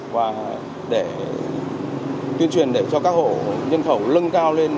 và để tuyên truyền để cho các hộ nhân khẩu lưng cao lên